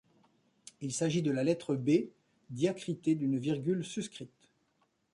Il s’agit de la lettre B diacritée d’une virgule suscrite.